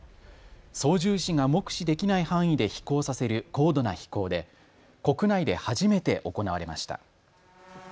操縦士が目視できない範囲で飛行させる高度な飛行で国内で初めて行われました。